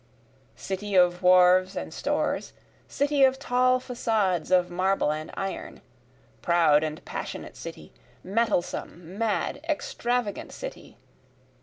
City of wharves and stores city of tall facades of marble and iron! Proud and passionate city mettlesome, mad, extravagant city!